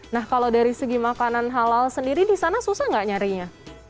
nah kalau dari segi makanan halal sendiri di sana susah nggak nyarinya